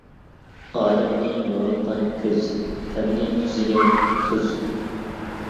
ئادەمنى يورۇتقان كۆز، تەمنى تۈزىگەن تۇز.